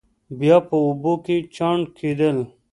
بیا په اوبو کې چاڼ کېدل.